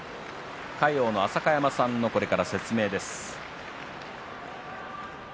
魁皇の浅香山さんの説明です。